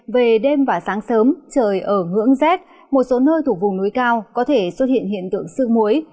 về đêm và sáng sớm trời ở ngưỡng z một số nơi thủ vùng núi cao có thể xuất hiện hiện tượng sương muối